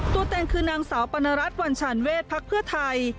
ตัวเองคือนางสาวปรณรัฐวัญชาญเวทพักเพื่อไทย